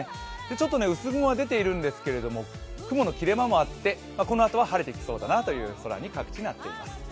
ちょっと薄雲が出ているんですけど、雲の切れ間もあってこのあとは晴れてきそうだなという空に各地、なっています。